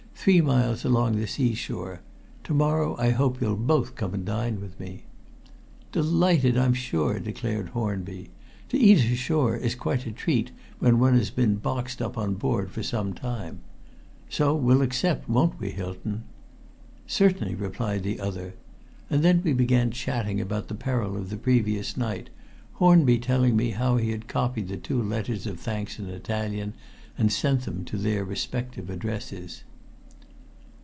"Three miles along the sea shore. To morrow I hope you'll both come and dine with me." "Delighted, I'm sure," declared Hornby. "To eat ashore is quite a treat when one has been boxed up on board for some time. So we'll accept, won't we, Hylton?" "Certainly," replied the other; and then we began chatting about the peril of the previous night, Hornby telling me how he had copied the two letters of thanks in Italian and sent them to their respective addresses.